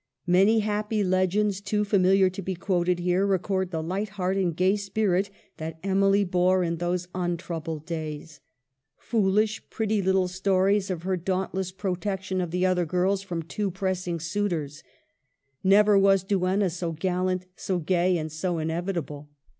Many happy legends, too fa miliar to be quoted here, record the light heart and gay spirit that Emily bore in those untrou bled days. Foolish, pretty little stories of her 94 EMILY BRONTE. dauntless protection of the other girls from too pressing suitors. Never was duenna so gallant, so gay, and so inevitable.